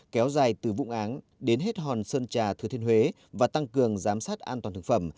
kéo dài từ vụ án đến hết hòn sơn trà thừa thiên huế và tăng cường giám sát an toàn thực phẩm